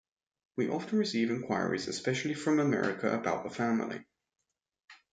We often receive enquiries, especially from America about the family.